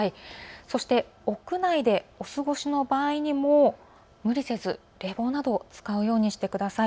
そして、屋内でお過ごしの場合も無理せずに冷房などを使うようにしてください。